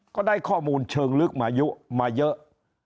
ก็ได้ข้อมูลเชิงลึกมาเยอะ